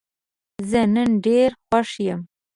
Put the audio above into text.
زه نن ډېر خوښ یم.